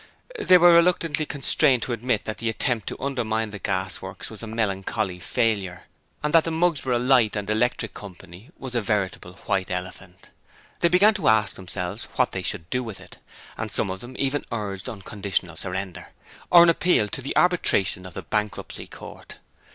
They were reluctantly constrained to admit that the attempt to undermine the Gasworks was a melancholy failure, and that the Mugsborough Electric Light and Installation Coy. was a veritable white elephant. They began to ask themselves what they should do with it; and some of them even urged unconditional surrender, or an appeal to the arbitration of the Bankruptcy Court.